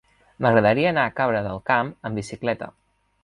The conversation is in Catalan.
M'agradaria anar a Cabra del Camp amb bicicleta.